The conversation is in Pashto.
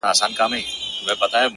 جهاني ما دي د خوبونو تعبیرونه کړي-